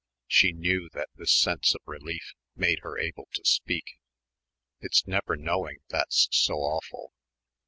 She knew that this sense of relief made her able to speak. "It's never knowing that's so awful.